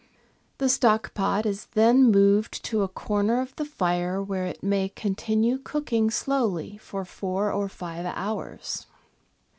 The stock pot is then moved to a corner of the fire where it may continue cooking slowly for four or five hours.